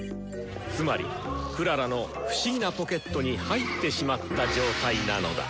つまりクララの不思議なポケットに入ってしまった状態なのだ。